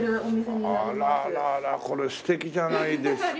あらあらあらこれすてきじゃないですか。